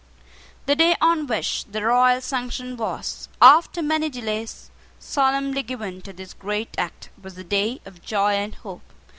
The day on which the royal sanction was, after many delays, solemnly given to this great Act, was a day of joy and hope.